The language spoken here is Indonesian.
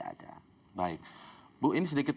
ada baik bu ini sedikit